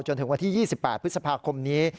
จนถึงวันที่๒๘พฤษภาคมนี้